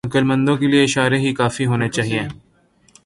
عقلمندوں کے لئے اشارے ہی کافی ہونے چاہئیں۔